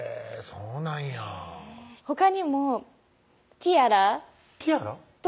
そうなんやほかにもティアラティアラ？と